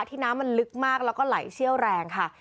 ที่น้ำมันลึกมากแล้วก็ไหลเชี่ยวแรงค่ะ